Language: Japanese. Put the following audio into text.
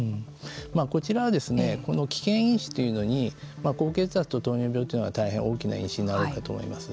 こちらは危険因子というのに高血圧と糖尿病は大変大きな因子になると思います。